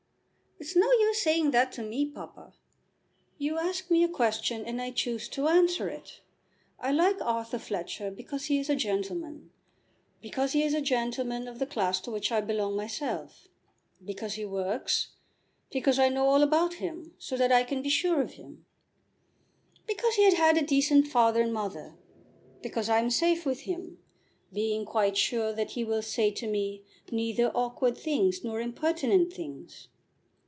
"It's no use saying that to me, papa." "You ask me a question, and I choose to answer it. I like Arthur Fletcher, because he is a gentleman, because he is a gentleman of the class to which I belong myself; because he works; because I know all about him, so that I can be sure of him; because he had a decent father and mother; because I am safe with him, being quite sure that he will say to me neither awkward things nor impertinent things.